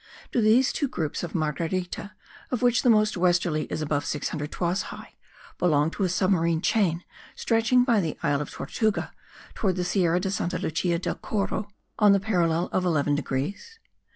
Do these two groups of Marguerita, of which the most westerly is above 600 toises high, belong to a submarine chain stretching by the isle of Tortuga, towards the Sierra de Santa Lucia de Coro, on the parallel of 11 degrees?